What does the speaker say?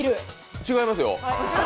違いますよ。